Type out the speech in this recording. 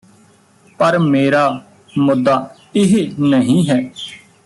ਪਰ ਮੇਰਾ ਮੁੱਦਾ ਇਹ ਨਹੀਂ ਹੈ